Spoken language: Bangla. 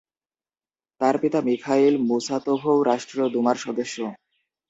তার পিতা মিখাইল মুসাতোভও রাষ্ট্রীয় দুমার সদস্য।